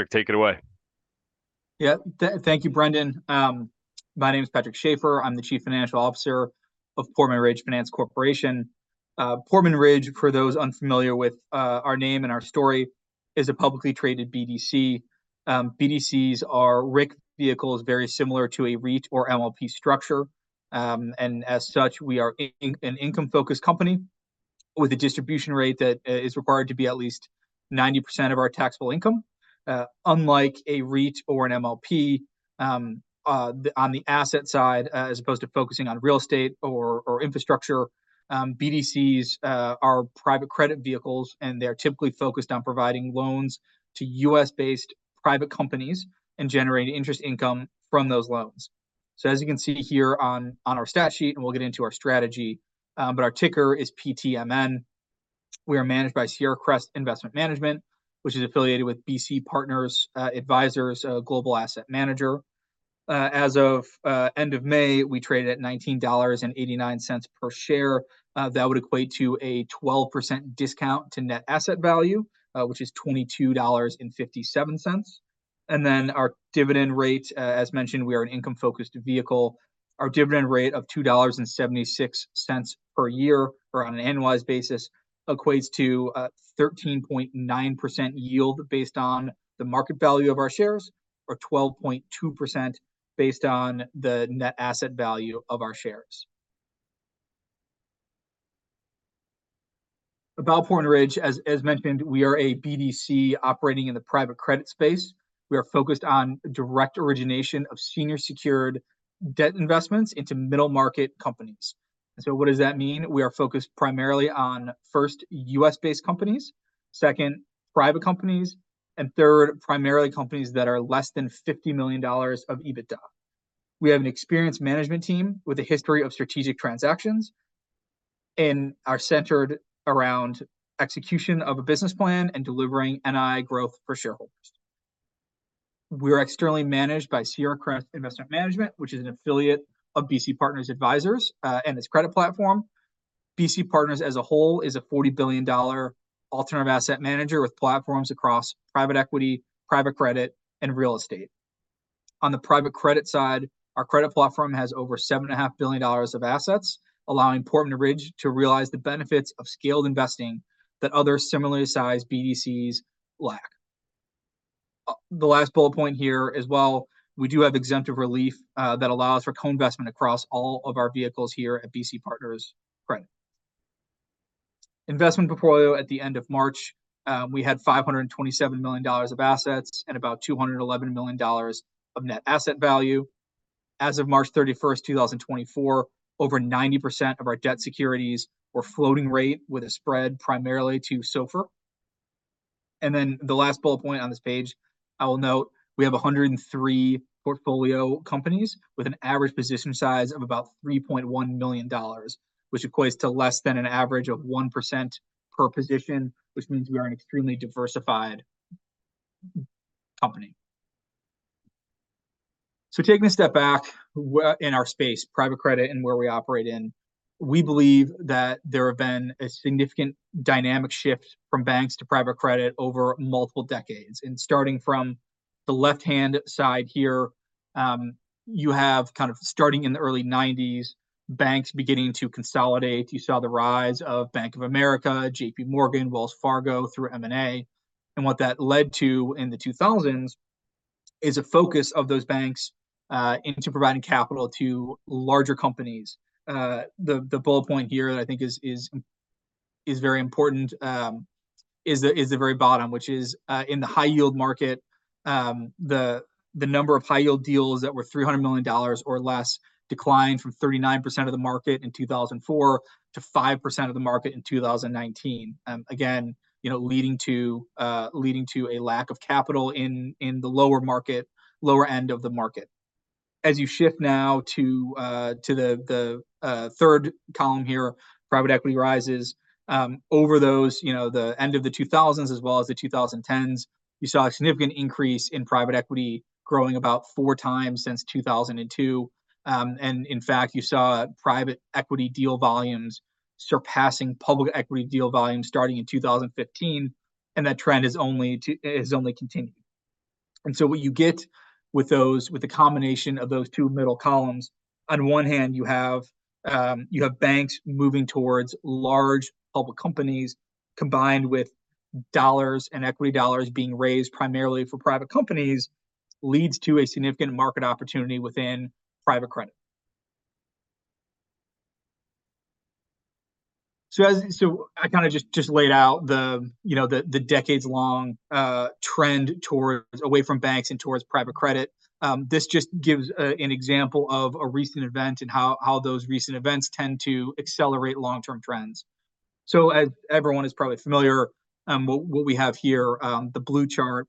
Patrick, take it away. Yeah, thank you, Brandon. My name is Patrick Schaefer. I'm the Chief Investment Officer of Portman Ridge Finance Corporation. Portman Ridge, for those unfamiliar with our name and our story, is a publicly traded BDC. BDCs are RIC vehicles, very similar to a REIT or MLP structure. As such, we are an income-focused company with a distribution rate that is required to be at least 90% of our taxable income. Unlike a REIT or an MLP, on the asset side, as opposed to focusing on real estate or infrastructure, BDCs are private credit vehicles, and they're typically focused on providing loans to U.S.-based private companies and generating interest income from those loans. So, as you can see here on our stats sheet, and we'll get into our strategy, but our ticker is PTMN. We are managed by Sierra Crest Investment Management, which is affiliated with BC Partners Advisors, global asset manager. As of the end of May, we traded at $19.89 per share. That would equate to a 12% discount to net asset value, which is $22.57. And then our dividend rate, as mentioned, we are an income-focused vehicle. Our dividend rate of $2.76 per year, or on an annualized basis, equates to 13.9% yield based on the market value of our shares, or 12.2% based on the net asset value of our shares. About Portman Ridge, as mentioned, we are a BDC operating in the private credit space. We are focused on direct origination of senior secured debt investments into middle market companies. And so what does that mean? We are focused primarily on, first, U.S.-based companies, second, private companies, and third, primarily companies that are less than $50 million of EBITDA. We have an experienced management team with a history of strategic transactions and are centered around execution of a business plan and delivering NI growth for shareholders. We are externally managed by Sierra Crest Investment Management, which is an affiliate of BC Partners Advisors, and its credit platform. BC Partners, as a whole, is a $40 billion alternative asset manager with platforms across private equity, private credit, and real estate. On the private credit side, our credit platform has over $7.5 billion of assets, allowing Portman Ridge to realize the benefits of scaled investing that other similarly sized BDCs lack. The last bullet point here, as well, we do have exemptive relief that allows for co-investment across all of our vehicles here at BC Partners Credit. Investment portfolio at the end of March, we had $527 million of assets and about $211 million of net asset value. As of March 31st, 2024, over 90% of our debt securities were floating rate, with a spread primarily to SOFR. Then the last bullet point on this page, I will note we have 103 portfolio companies with an average position size of about $3.1 million, which equates to less than an average of 1% per position, which means we are an extremely diversified company. Taking a step back, we in our space, private credit and where we operate in, we believe that there have been a significant dynamic shift from banks to private credit over multiple decades. Starting from the left-hand side here, you have kind of starting in the early 1990s, banks beginning to consolidate. You saw the rise of Bank of America, J.P. Morgan, Wells Fargo through M&A. What that led to in the 2000s is a focus of those banks into providing capital to larger companies. The bullet point here that I think is very important is the very bottom, which is in the high-yield market, the number of high-yield deals that were $300 million or less declined from 39% of the market in 2004 to 5% of the market in 2019. Again, you know, leading to a lack of capital in the lower market, lower end of the market. As you shift now to the third column here, private equity rises, over those, you know, the end of the 2000s as well as the 2010s, you saw a significant increase in private equity growing about four times since 2002. And in fact, you saw private equity deal volumes surpassing public equity deal volumes starting in 2015, and that trend is only, is only continued. And so what you get with those, with the combination of those two middle columns, on one hand, you have, you have banks moving towards large public companies, combined with dollars and equity dollars being raised primarily for private companies, leads to a significant market opportunity within private credit. So, so I kind of just laid out the, you know, the decades-long trend towards away from banks and towards private credit. This just gives an example of a recent event and how those recent events tend to accelerate long-term trends. So, as everyone is probably familiar, what we have here, the blue chart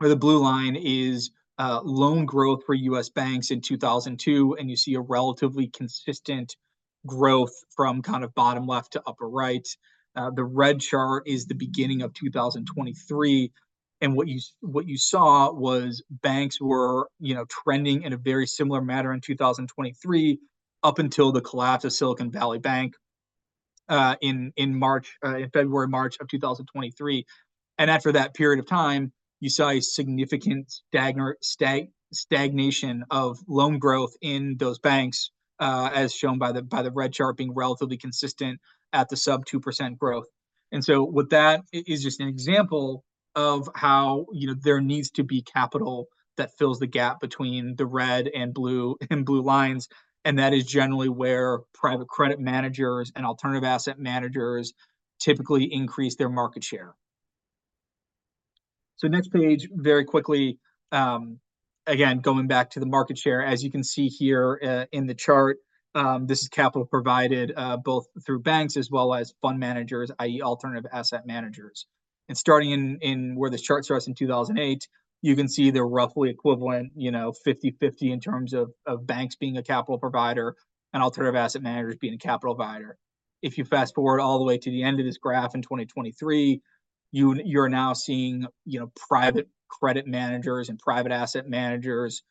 or the blue line is loan growth for U.S. Banks in 2002, and you see a relatively consistent growth from kind of bottom left to upper right. The red chart is the beginning of 2023, and what you saw was banks were, you know, trending in a very similar manner in 2023 up until the collapse of Silicon Valley Bank in February, March of 2023. After that period of time, you saw a significant stagnation of loan growth in those banks, as shown by the red chart being relatively consistent at the sub 2% growth. With that, it is just an example of how, you know, there needs to be capital that fills the gap between the red and blue lines, and that is generally where private credit managers and alternative asset managers typically increase their market share. So, next page, very quickly, again, going back to the market share, as you can see here, in the chart, this is capital provided, both through banks as well as fund managers, i.e., alternative asset managers. And starting in where this chart starts in 2008, you can see they're roughly equivalent, you know, 50/50 in terms of banks being a capital provider and alternative asset managers being a capital provider. If you fast forward all the way to the end of this graph in 2023, you're now seeing, you know, private credit managers and private asset managers,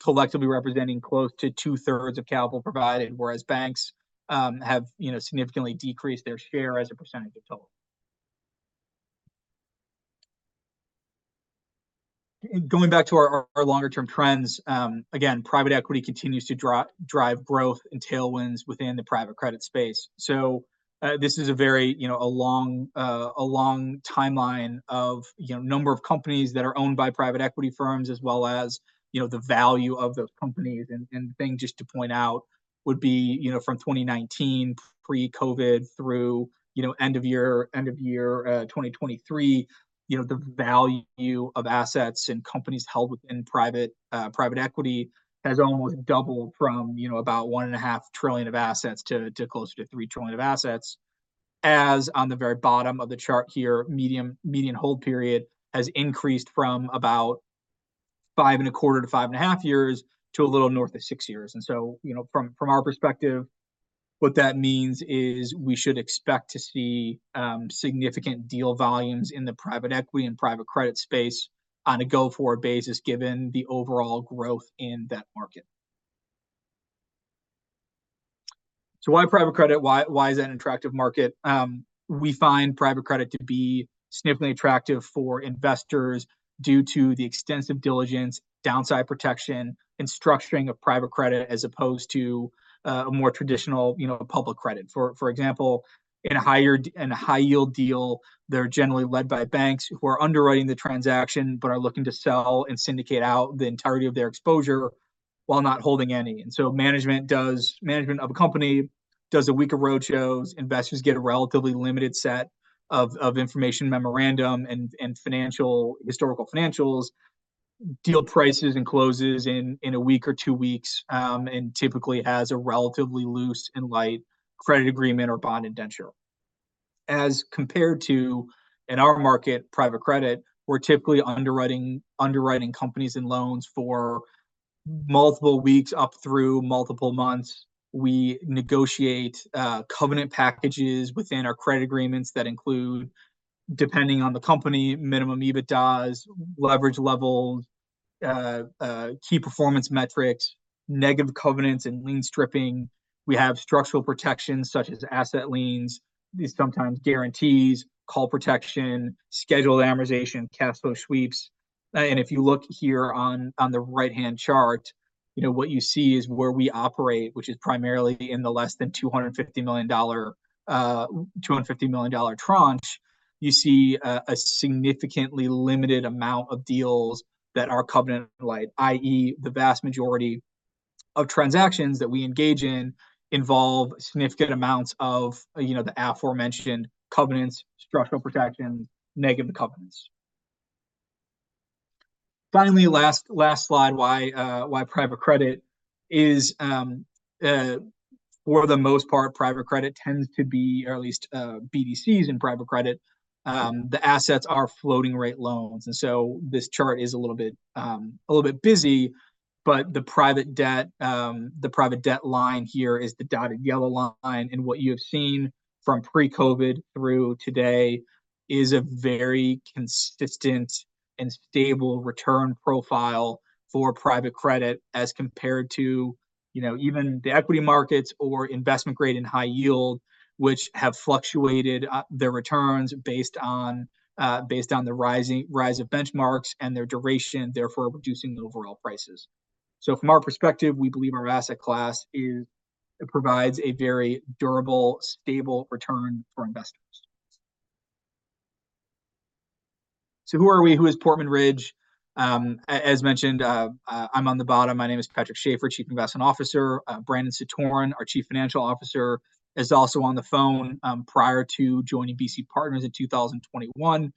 collectively representing close to two-thirds of capital provided, whereas banks have, you know, significantly decreased their share as a percentage of total. Going back to our longer-term trends, again, private equity continues to drive growth and tailwinds within the private credit space. So, this is a very, you know, a long, a long timeline of, you know, number of companies that are owned by private equity firms, as well as, you know, the value of those companies. And, and the thing just to point out would be, you know, from 2019, pre-COVID, through, you know, end of year, end of year, 2023, you know, the value of assets and companies held within private, private equity has almost doubled from, you know, about $1.5 trillion of assets to, to closer to $3 trillion of assets. As on the very bottom of the chart here, median hold period has increased from about 5.25 to 5.5 years to a little north of 6 years. And so, you know, from our perspective, what that means is we should expect to see significant deal volumes in the private equity and private credit space on a go-forward basis, given the overall growth in that market. So, why private credit? Why is that an attractive market? We find private credit to be significantly attractive for investors due to the extensive diligence, downside protection, and structuring of private credit as opposed to a more traditional, you know, public credit. For example, in a high-yield deal, they're generally led by banks who are underwriting the transaction but are looking to sell and syndicate out the entirety of their exposure while not holding any. And so management of a company does a week of road shows. Investors get a relatively limited set of information memorandum and financial historical financials, deal prices and closes in a week or two weeks, and typically has a relatively loose and light credit agreement or bond indenture. As compared to, in our market, private credit, we're typically underwriting companies and loans for multiple weeks up through multiple months. We negotiate covenant packages within our credit agreements that include, depending on the company, minimum EBITDAs, leverage levels, key performance metrics, negative covenants, and lien stripping. We have structural protections such as asset liens, these sometimes guarantees, call protection, scheduled amortization, cash flow sweeps. And if you look here on the right-hand chart, you know, what you see is where we operate, which is primarily in the less than $250 million, $250 million tranche. You see, a significantly limited amount of deals that are covenant-lite, i.e., the vast majority of transactions that we engage in involve significant amounts of, you know, the aforementioned covenants, structural protections, negative covenants. Finally, last slide, why private credit is, for the most part, private credit tends to be, or at least, BDCs in private credit, the assets are floating-rate loans. And so this chart is a little bit busy, but the private debt line here is the dotted yellow line. And what you have seen from pre-COVID through today is a very consistent and stable return profile for private credit as compared to, you know, even the equity markets or investment-grade and high-yield, which have fluctuated their returns based on the rising rise of benchmarks and their duration, therefore reducing overall prices. So, from our perspective, we believe our asset class is; it provides a very durable, stable return for investors. So, who are we? Who is Portman Ridge? As mentioned, I'm on the bottom. My name is Patrick Schaefer, Chief Investment Officer. Brandon Satoren, our Chief Financial Officer, is also on the phone, prior to joining BC Partners in 2021.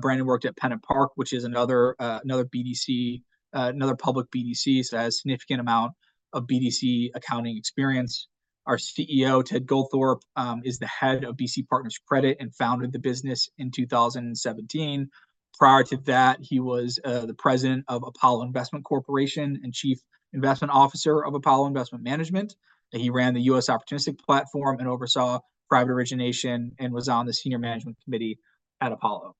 Brandon worked at PennantPark, which is another, another BDC, another public BDC, so has a significant amount of BDC accounting experience. Our CEO, Ted Goldthorpe, is the head of BC Partners Credit and founded the business in 2017. Prior to that, he was the president of Apollo Investment Corporation and Chief Investment Officer of Apollo Investment Management. He ran the U.S. Opportunistic platform and oversaw private origination and was on the senior management committee at Apollo.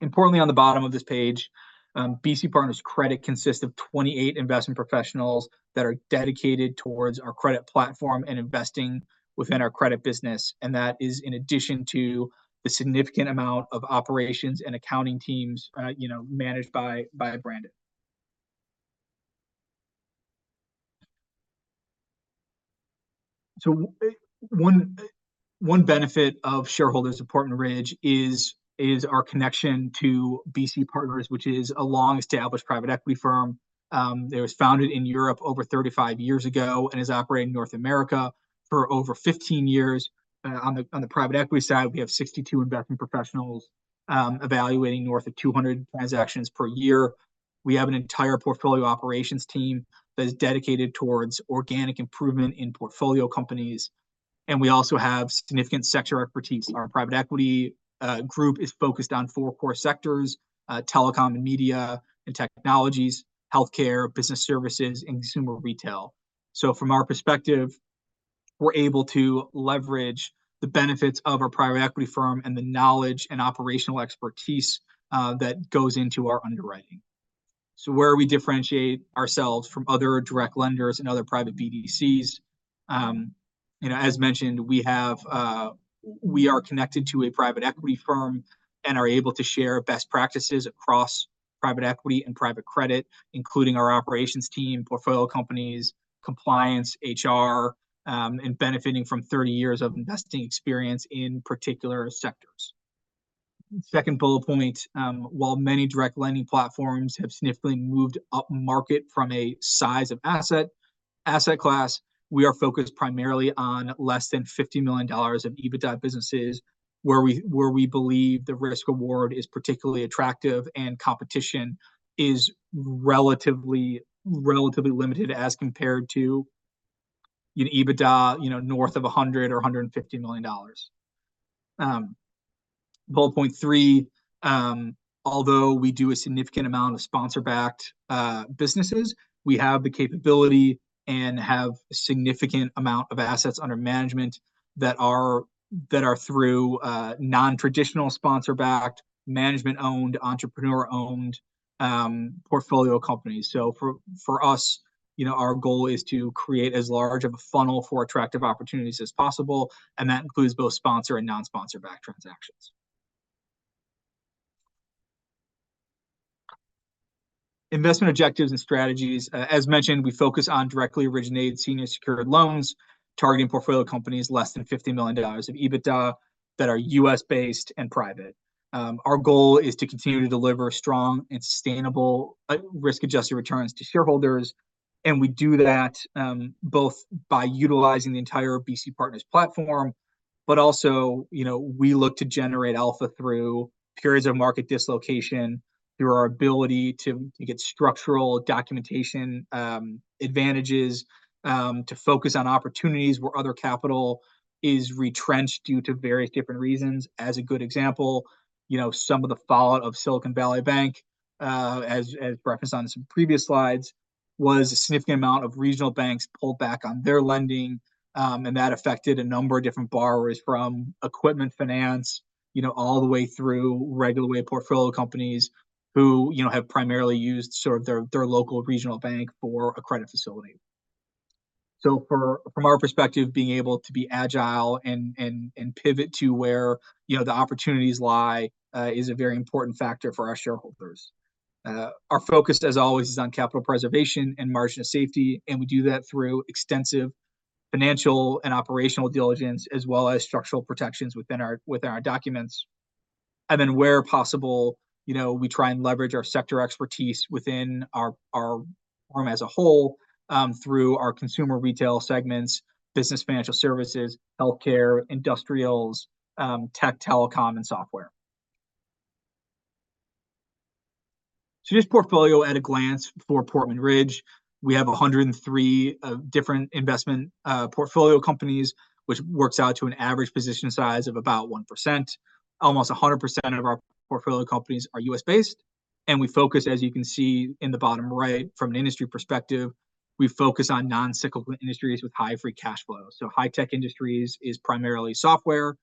Importantly, on the bottom of this page, BC Partners Credit consists of 28 investment professionals that are dedicated towards our credit platform and investing within our credit business. And that is in addition to the significant amount of operations and accounting teams, you know, managed by Brandon. So, one benefit of shareholders at Portman Ridge is our connection to BC Partners, which is a long-established private equity firm. It was founded in Europe over 35 years ago and is operating in North America for over 15 years. On the private equity side, we have 62 investment professionals, evaluating north of 200 transactions per year. We have an entire portfolio operations team that is dedicated towards organic improvement in portfolio companies. And we also have significant sector expertise. Our private equity group is focused on four core sectors, telecom and media and technologies, healthcare, business services, and consumer retail. So, from our perspective, we're able to leverage the benefits of our private equity firm and the knowledge and operational expertise that goes into our underwriting. So, where we differentiate ourselves from other direct lenders and other private BDCs, you know, as mentioned, we have, we are connected to a private equity firm and are able to share best practices across private equity and private credit, including our operations team, portfolio companies, compliance, HR, and benefiting from 30 years of investing experience in particular sectors. Second bullet point, while many direct lending platforms have significantly moved up market from a size of asset, asset class, we are focused primarily on less than $50 million of EBITDA businesses where we believe the risk-reward is particularly attractive and competition is relatively limited as compared to, you know, EBITDA, you know, north of $100 or $150 million. Bullet point three, although we do a significant amount of sponsor-backed businesses, we have the capability and have a significant amount of assets under management that are through non-traditional sponsor-backed, management-owned, entrepreneur-owned portfolio companies. So, for us, you know, our goal is to create as large of a funnel for attractive opportunities as possible, and that includes both sponsor and non-sponsor-backed transactions. Investment objectives and strategies, as mentioned, we focus on directly originated senior secured loans targeting portfolio companies less than $50 million of EBITDA that are U.S.-based and private. Our goal is to continue to deliver strong and sustainable risk-adjusted returns to shareholders, and we do that, both by utilizing the entire BC Partners platform, but also, you know, we look to generate alpha through periods of market dislocation through our ability to get structural documentation advantages, to focus on opportunities where other capital is retrenched due to various different reasons. As a good example, you know, some of the fallout of Silicon Valley Bank, as referenced on some previous slides, was a significant amount of regional banks pulled back on their lending, and that affected a number of different borrowers from equipment finance, you know, all the way through regular way portfolio companies who, you know, have primarily used sort of their local regional bank for a credit facility. So, from our perspective, being able to be agile and pivot to where, you know, the opportunities lie, is a very important factor for our shareholders. Our focus, as always, is on capital preservation and margin of safety, and we do that through extensive financial and operational diligence as well as structural protections within our documents. And then, where possible, you know, we try and leverage our sector expertise within our, our firm as a whole, through our consumer retail segments, business financial services, healthcare, industrials, tech, telecom, and software. So, this portfolio at a glance for Portman Ridge, we have 103 different investment, portfolio companies, which works out to an average position size of about 1%. Almost 100% of our portfolio companies are U.S.-based, and we focus, as you can see in the bottom right, from an industry perspective, we focus on non-cyclical industries with high free cash flow. So, high tech industries is primarily software,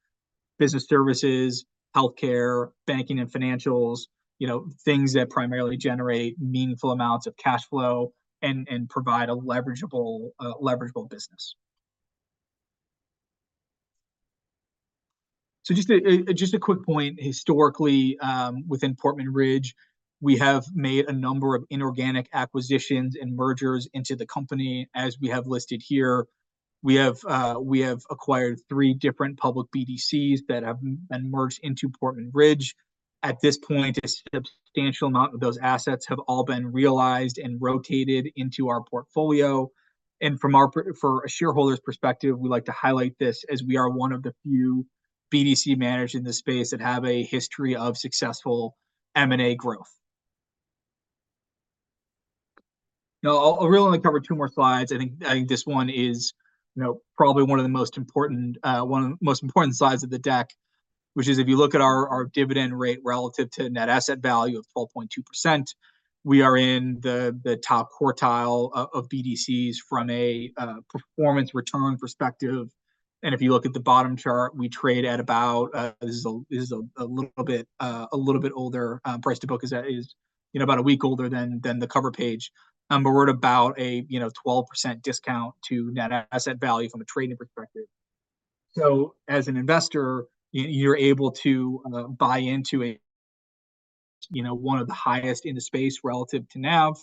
business services, healthcare, banking, and financials, you know, things that primarily generate meaningful amounts of cash flow and, and provide a leverageable, leverageable business. So, just a, just a quick point. Historically, within Portman Ridge, we have made a number of inorganic acquisitions and mergers into the company, as we have listed here. We have acquired three different public BDCs that have been merged into Portman Ridge. At this point, a substantial amount of those assets have all been realized and rotated into our portfolio. And from our, for a shareholder's perspective, we like to highlight this as we are one of the few BDC managers in this space that have a history of successful M&A growth. Now, I'll really only cover two more slides. I think, I think this one is, you know, probably one of the most important, one of the most important slides of the deck, which is if you look at our, our dividend rate relative to net asset value of 12.2%, we are in the, the top quartile of BDCs from a, performance return perspective. And if you look at the bottom chart, we trade at about, this is a, this is a little bit, a little bit older, price to book is, is, you know, about a week older than, than the cover page. But we're at about a, you know, 12% discount to net asset value from a trading perspective. So, as an investor, you're able to, buy into a, you know, one of the highest in the space relative to NAV,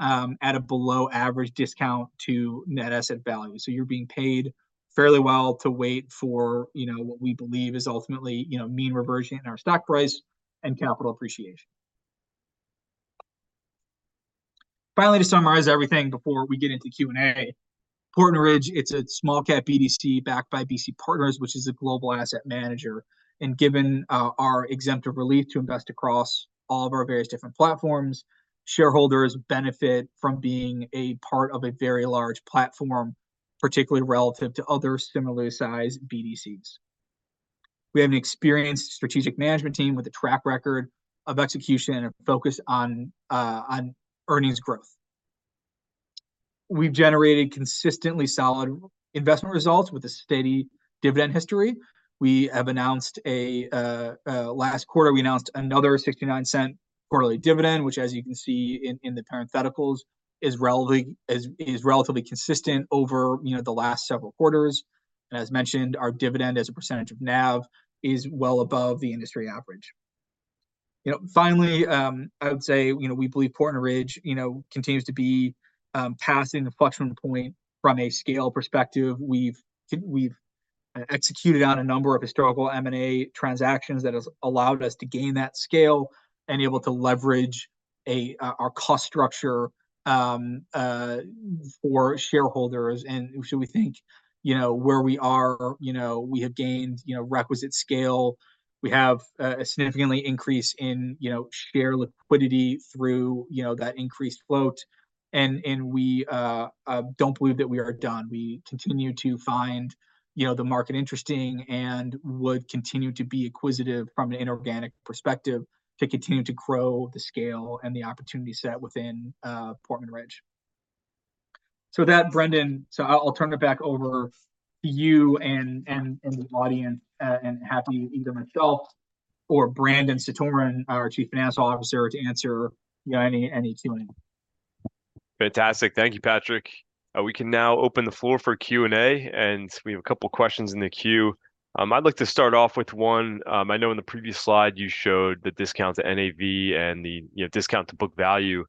at a below average discount to net asset value. So, you're being paid fairly well to wait for, you know, what we believe is ultimately, you know, mean reversion in our stock price and capital appreciation. Finally, to summarize everything before we get into Q&A, Portman Ridge, it's a small-cap BDC backed by BC Partners, which is a global asset manager. Given our exemptive relief to invest across all of our various different platforms, shareholders benefit from being a part of a very large platform, particularly relative to other similar size BDCs. We have an experienced strategic management team with a track record of execution and focus on earnings growth. We've generated consistently solid investment results with a steady dividend history. We have announced last quarter another $0.69 quarterly dividend, which, as you can see in the parentheticals, is relatively consistent over, you know, the last several quarters. And as mentioned, our dividend as a percentage of NAV is well above the industry average. You know, finally, I would say, you know, we believe Portman Ridge, you know, continues to be passing the inflection point from a scale perspective. We've executed on a number of historical M&A transactions that have allowed us to gain that scale and able to leverage our cost structure for shareholders. And so we think, you know, where we are, you know, we have gained, you know, requisite scale. We have a significantly increase in, you know, share liquidity through, you know, that increased float. And we don't believe that we are done. We continue to find, you know, the market interesting and would continue to be acquisitive from an inorganic perspective to continue to grow the scale and the opportunity set within Portman Ridge. So with that, Brandon, I'll turn it back over to you and the audience, and happy either myself or Brandon Satoren, our Chief Financial Officer, to answer, you know, any Q&A. Fantastic. Thank you, Patrick. We can now open the floor for Q&A, and we have a couple of questions in the queue. I'd like to start off with one. I know in the previous slide you showed the discount to NAV and the, you know, discount to book value.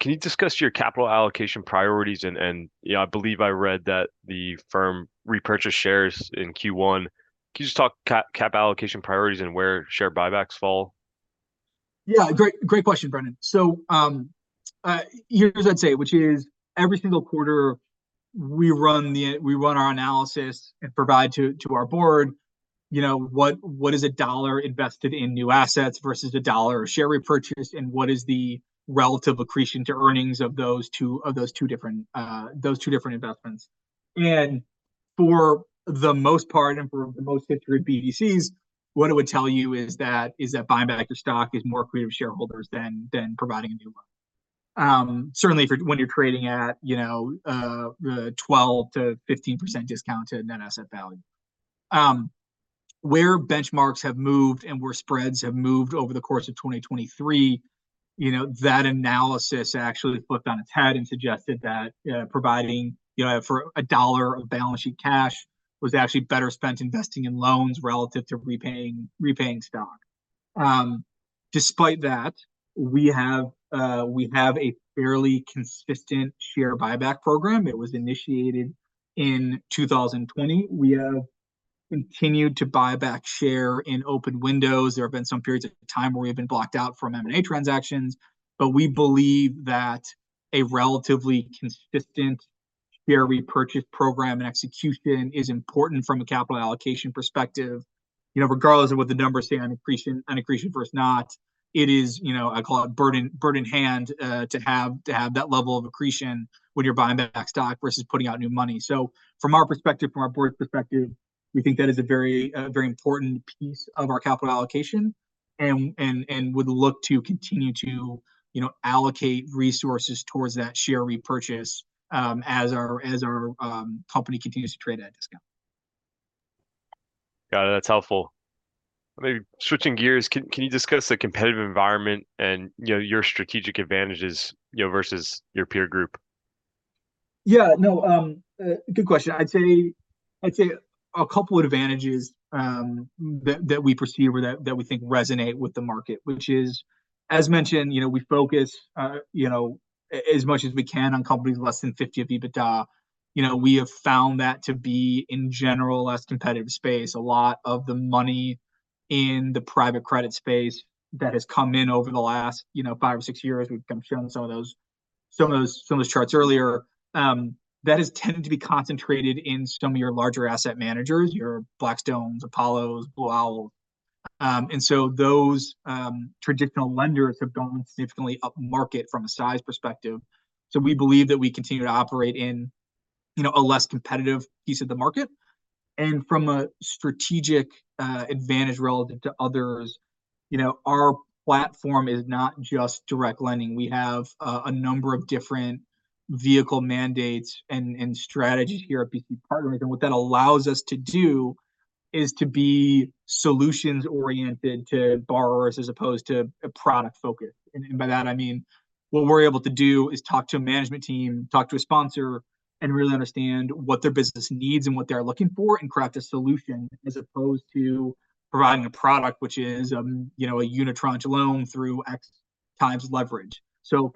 Can you discuss your capital allocation priorities? And, you know, I believe I read that the firm repurchased shares in Q1. Can you just talk capital allocation priorities and where share buybacks fall? Yeah, great, great question, Brandon. So, here's what I'd say, which is every single quarter we run our analysis and provide to our board, you know, what is a $1 invested in new assets versus a $1 of share repurchase and what is the relative accretion to earnings of those two different investments. And for the most part and for the most history of BDCs, what it would tell you is that buying back your stock is more accretive to shareholders than providing a new one, certainly for when you're trading at, you know, the 12%-15% discount to net asset value. Where benchmarks have moved and where spreads have moved over the course of 2023, you know, that analysis actually flipped on its head and suggested that, providing, you know, for a dollar of balance sheet cash was actually better spent investing in loans relative to repaying, repaying stock. Despite that, we have, we have a fairly consistent share buyback program. It was initiated in 2020. We have continued to buy back share in open windows. There have been some periods of time where we have been blocked out from M&A transactions, but we believe that a relatively consistent share repurchase program and execution is important from a capital allocation perspective. You know, regardless of what the numbers say on accretion, on accretion versus not, it is, you know, I call it burden, burden hand, to have, to have that level of accretion when you're buying back stock versus putting out new money. So, from our perspective, from our board's perspective, we think that is a very, a very important piece of our capital allocation and, and, and would look to continue to, you know, allocate resources towards that share repurchase, as our, as our, company continues to trade at discount. Got it. That's helpful. Maybe switching gears, can, can you discuss the competitive environment and, you know, your strategic advantages, you know, versus your peer group? Yeah, no, good question. I'd say a couple of advantages that we perceive or that we think resonate with the market, which is, as mentioned, you know, we focus, you know, as much as we can on companies less than $50 million of EBITDA. You know, we have found that to be in general a less competitive space. A lot of the money in the private credit space that has come in over the last, you know, 5 or 6 years, we've kind of shown some of those charts earlier, that has tended to be concentrated in some of your larger asset managers, your Blackstones, Apollos, Blue Owls. And so those traditional lenders have gone significantly up market from a size perspective. So we believe that we continue to operate in, you know, a less competitive piece of the market. From a strategic advantage relative to others, you know, our platform is not just direct lending. We have a number of different vehicle mandates and strategies here at BC Partners. What that allows us to do is to be solutions oriented to borrowers as opposed to a product focus. By that, I mean what we're able to do is talk to a management team, talk to a sponsor, and really understand what their business needs and what they're looking for and craft a solution as opposed to providing a product, which is a, you know, a unitranche loan through X times leverage. So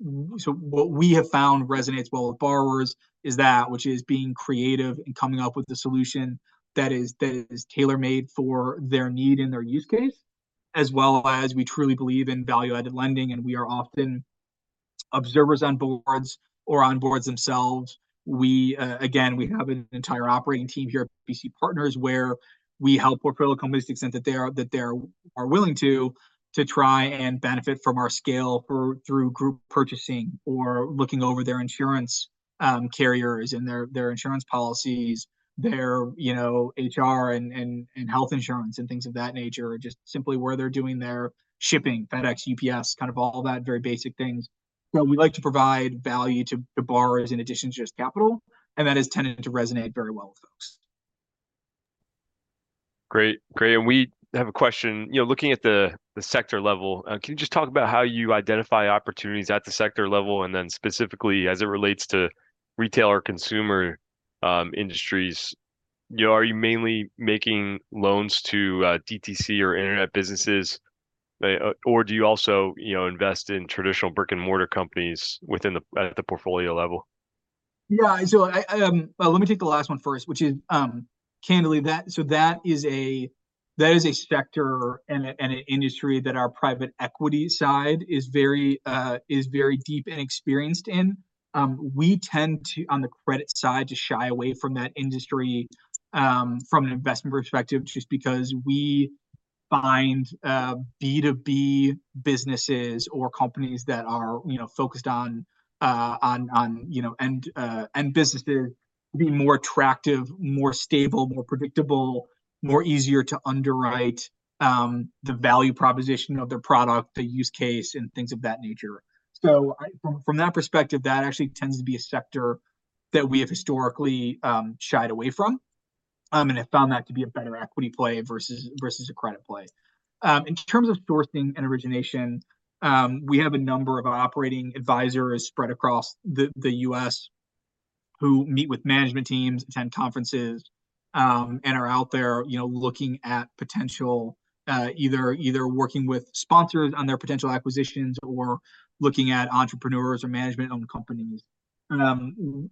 what we have found resonates well with borrowers is that, which is being creative and coming up with the solution that is tailor-made for their need and their use case, as well as we truly believe in value-added lending. We are often observers on boards or on boards themselves. We again have an entire operating team here at BC Partners where we help portfolio companies to the extent that they are willing to try and benefit from our scale for through group purchasing or looking over their insurance carriers and their insurance policies, their, you know, HR and health insurance and things of that nature, just simply where they're doing their shipping, FedEx, UPS, kind of all that very basic things. So we like to provide value to borrowers in addition to just capital, and that has tended to resonate very well with folks. Great, great. And we have a question, you know, looking at the sector level, can you just talk about how you identify opportunities at the sector level and then specifically as it relates to retail or consumer industries? You know, are you mainly making loans to DTC or internet businesses, or do you also, you know, invest in traditional brick and mortar companies within at the portfolio level? Yeah, so let me take the last one first, which is candidly that, so that is a sector and an industry that our private equity side is very deep and experienced in. We tend to, on the credit side, to shy away from that industry, from an investment perspective, just because we find, B2B businesses or companies that are, you know, focused on, on, you know, end businesses to be more attractive, more stable, more predictable, more easier to underwrite, the value proposition of their product, the use case, and things of that nature. So I, from that perspective, that actually tends to be a sector that we have historically shied away from. I found that to be a better equity play versus a credit play. In terms of sourcing and origination, we have a number of operating advisors spread across the U.S. who meet with management teams, attend conferences, and are out there, you know, looking at potential, either working with sponsors on their potential acquisitions or looking at entrepreneurs or management-owned companies.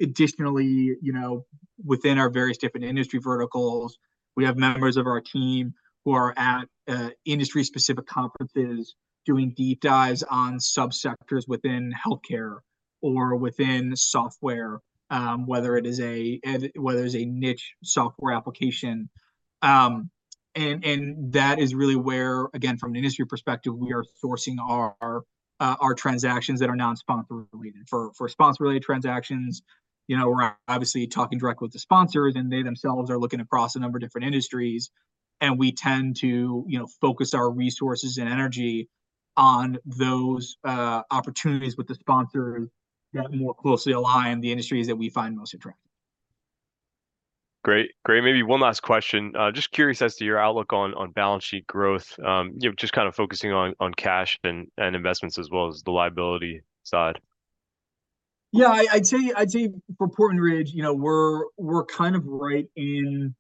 Additionally, you know, within our various different industry verticals, we have members of our team who are at industry-specific conferences doing deep dives on subsectors within healthcare or within software, whether it is a, whether it's a niche software application. And that is really where, again, from an industry perspective, we are sourcing our, our transactions that are non-sponsor related for, for sponsor related transactions. You know, we're obviously talking directly with the sponsors and they themselves are looking across a number of different industries. And we tend to, you know, focus our resources and energy on those opportunities with the sponsors that more closely align the industries that we find most attractive. Great, great. Maybe one last question, just curious as to your outlook on balance sheet growth, you know, just kind of focusing on cash and investments as well as the liability side. Yeah, I'd say, I'd say for Portman Ridge, you know, we're, we're kind of right in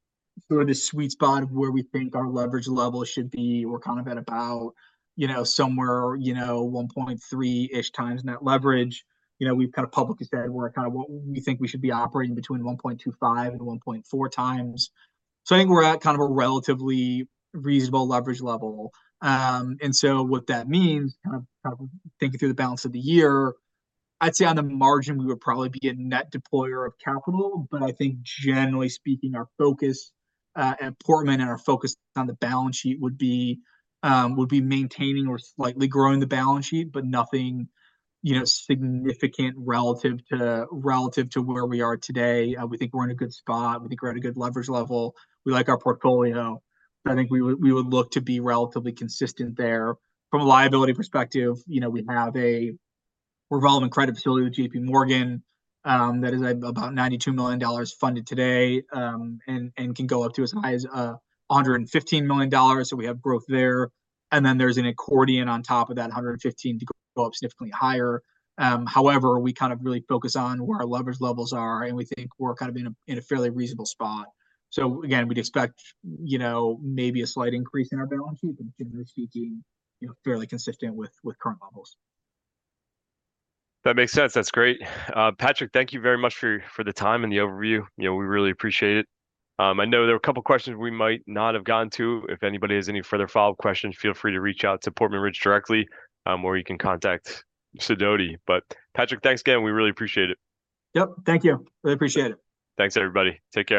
sort of the sweet spot of where we think our leverage level should be. We're kind of at about, you know, somewhere, you know, 1.3-ish times net leverage. You know, we've kind of publicly said we're kind of what we think we should be operating between 1.25-1.4 times. So I think we're at kind of a relatively reasonable leverage level. And so what that means, kind of, kind of thinking through the balance of the year, I'd say on the margin we would probably be a net deployer of capital, but I think generally speaking, our focus, at Portman and our focus on the balance sheet would be, would be maintaining or slightly growing the balance sheet, but nothing, you know, significant relative to, relative to where we are today. We think we're in a good spot. We think we're at a good leverage level. We like our portfolio. I think we would, we would look to be relatively consistent there from a liability perspective. You know, we have a revolving credit facility with J.P. Morgan, that is about $92 million funded today, and, and can go up to as high as, $115 million. So we have growth there. And then there's an accordion on top of that $115 to go up significantly higher. However, we kind of really focus on where our leverage levels are and we think we're kind of in a, in a fairly reasonable spot. So again, we'd expect, you know, maybe a slight increase in our balance sheet, but generally speaking, you know, fairly consistent with, with current levels. That makes sense. That's great. Patrick, thank you very much for the time and the overview. You know, we really appreciate it. I know there are a couple of questions we might not have gotten to. If anybody has any further follow-up questions, feel free to reach out to Portman Ridge directly, or you can contact Sidoti. But Patrick, thanks again. We really appreciate it. Yep. Thank you. Really appreciate it. Thanks, everybody. Take care.